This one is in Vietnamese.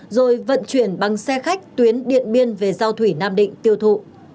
rồi vận chuyển bằng xe khách tuyến điện biên về giao thủy nam định tiêu thụ